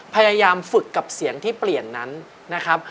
พยายามฝึกกับเสียงที่เปลี่ยนนั้นนะครับ